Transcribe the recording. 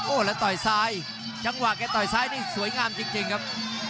แล้วต่อยซ้ายจังหวะแกต่อยซ้ายนี่สวยงามจริงครับ